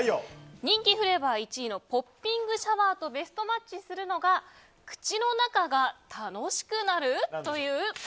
人気フレーバー１位のポッピングシャワーとベストマッチするのが口の中が楽しくなる！